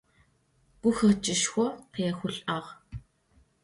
Гухэкӏышхо къехъулӏагъ.